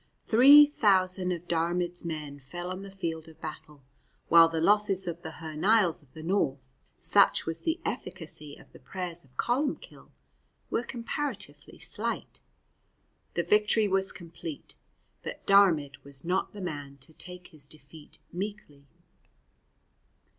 Three thousand of Diarmaid's men fell on the field of battle, while the losses of the Hy Nialls of the north, such was the efficacy of the prayers of Columbcille, were comparatively slight. The victory was complete, but Diarmaid was not the man to take his defeat meekly.